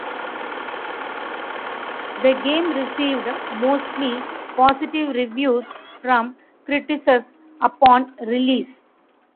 The game received mostly positive reviews from critics upon release.